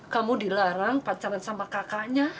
kamu dilarang pacaran sama kakaknya